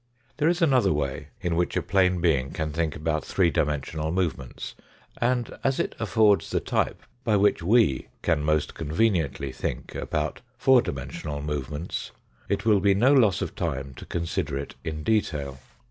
There is another way in which a plane being can think about three dimensional movements ; and, as it affords the type by which we can most conveniently think about four dimensional movements, it will be no loss of time to consider it in detail.